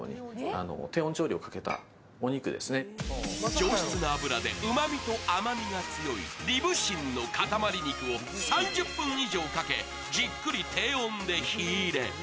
上質な脂でうまみと甘みが強いリブ芯の塊に３０分以上かけ、じっくり低温で火入れ。